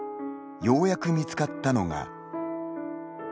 ようやく見つかったのが。